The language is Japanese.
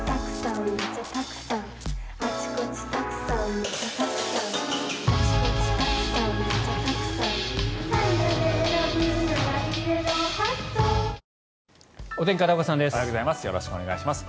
おはようございます。